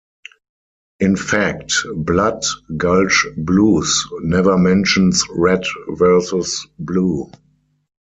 In fact, "Blood Gulch Blues" never mentions Red versus Blue.